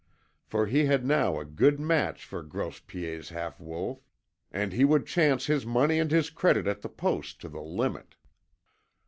For he had now a good match for Grouse Piet's half wolf, and he would chance his money and his credit at the Post to the limit.